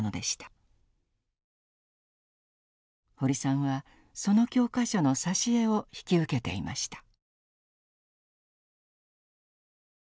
堀さんはその教科書の挿絵を引き受けていました。